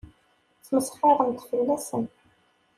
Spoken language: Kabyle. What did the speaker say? Ttmesxiṛent fell-asen.